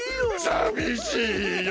さびしいよ。